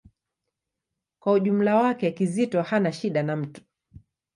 Kwa ujumla wake, Kizito hana shida na mtu.